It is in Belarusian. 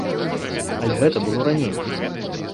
Але гэта было раней.